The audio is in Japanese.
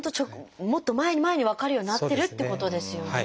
もっと前に前に分かるようになってるっていうことですよね。